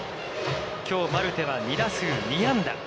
きょうマルテは２打数２安打。